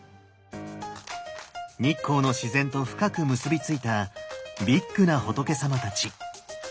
日光の自然と深く結び付いたビッグな仏さまたち。